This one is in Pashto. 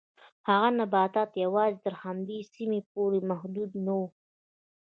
هغه نباتات یوازې تر همدې سیمې پورې محدود نه و.